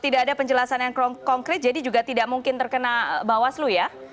tidak ada penjelasan yang konkret jadi juga tidak mungkin terkena bawaslu ya